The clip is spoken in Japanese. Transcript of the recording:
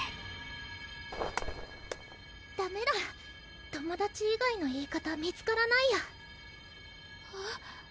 ダメだ「友達」以外の言い方見つからないやえっ？